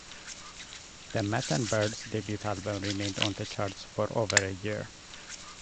The Mutton Birds debut album remained on the charts for over a year.